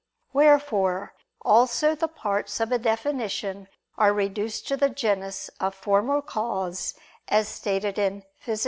Wherefore also the parts of a definition are reduced to the genus of formal cause, as is stated in _Phys.